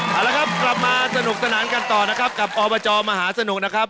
เอาละครับกลับมาสนุกสนานกันต่อนะครับกับอบจมหาสนุกนะครับ